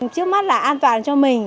trước mắt là an toàn cho mình